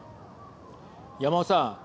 山尾さん。